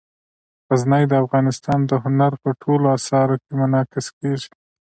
غزني د افغانستان د هنر په ټولو اثارو کې منعکس کېږي.